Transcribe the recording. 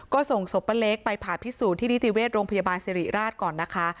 ก็ส่งศพป้าเล็กไปผ่าพิสูจน์ที่นิติเวชโรงพยาบาลสิริราชก่อนนะคะ